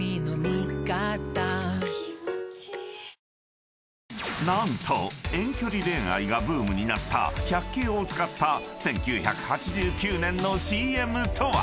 ダイハツ［何と遠距離恋愛がブームになった１００系を使った１９８９年のＣＭとは？］